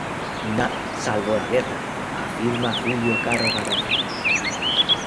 Nada, salvo la guerra", afirma Julio Caro Baroja.